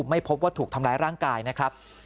ไม่พบว่าถูกทำร้ายร่างกายนะครับ